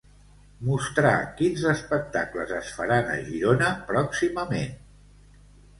Mostrar quins espectacles es faran a Girona pròximament.